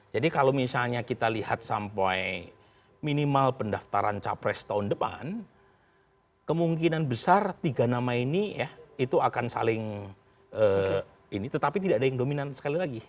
jadi kalau misalnya kita lihat sampai minimal pendaftaran capres tahun depan kemungkinan besar tiga nama ini ya itu akan saling ini tetapi tidak ada yang dominan sekali lagi